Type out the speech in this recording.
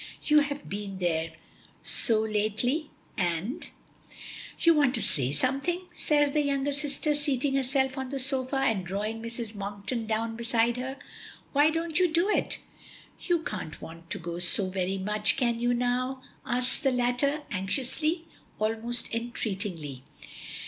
"You have been there so lately, and " "You want to say something," says the younger sister, seating herself on the sofa, and drawing Mrs. Monkton down beside her. "Why don't you do it?" "You can't want to go so very much, can you now?" asks the latter, anxiously, almost entreatingly.